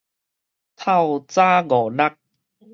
透早五六